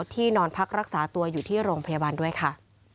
นอนพักรักษาตัวอยู่ที่โรงพยาบาลด้วยค่ะ